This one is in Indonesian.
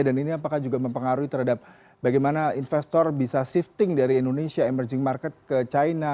dan ini apakah juga mempengaruhi terhadap bagaimana investor bisa shifting dari indonesia emerging market ke china